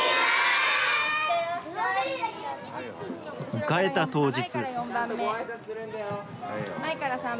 迎えた当日。